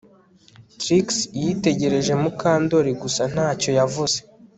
Trix yitegereje Mukandoli gusa ntacyo yavuze